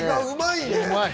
うまい。